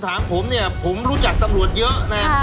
ถามผมเนี่ยผมรู้จักตำรวจเยอะนะ